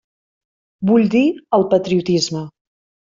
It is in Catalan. Vull dir el patriotisme.